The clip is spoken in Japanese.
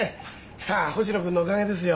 いや星野君のおかげですよ。